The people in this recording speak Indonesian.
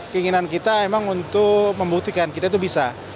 keinginan kita memang untuk membuktikan kita itu bisa